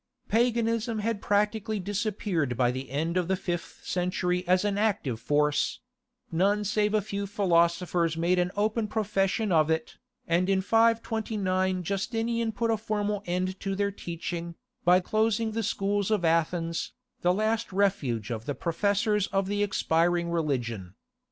Paganism had practically disappeared by the end of the fifth century as an active force; none save a few philosophers made an open profession of it, and in 529 Justinian put a formal end to their teaching, by closing the schools of Athens, the last refuge of the professors of the expiring religion.